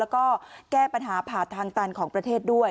แล้วก็แก้ปัญหาผ่าทางตันของประเทศด้วย